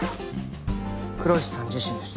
黒石さん自身です。